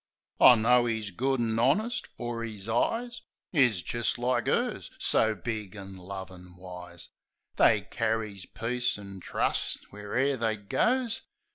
I knows 'e's good an' honest; for 'is eyes Is jist like 'ers; so big an' lovin' wise; They carries peace an' trust where e'er they goes.